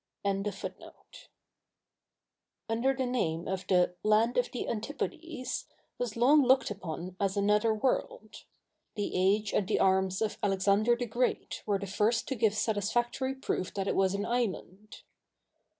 CHAPTER XIII. THE ISLAND OF TAPROBANA. Taprobana, under the name of the "land of the Antipodes," was long looked upon as another world: the age and the arms of Alexander the Great were the first to give satisfactory proof that it was an island.